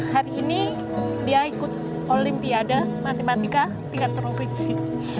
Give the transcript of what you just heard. hari ini dia ikut olimpiade matematika tingkat provinsi